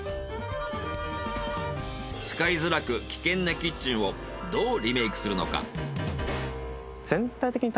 使いづらく危険なキッチンをどうリメイクするのか。